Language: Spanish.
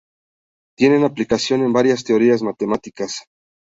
Tienen aplicación en varias teorías matemáticas.